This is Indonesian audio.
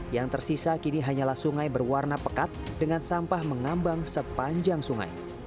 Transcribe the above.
yang tersisa kini hanyalah sungai berwarna pekat dengan sampah mengambang sepanjang sungai